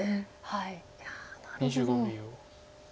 いやなるほど。